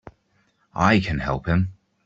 I can help him!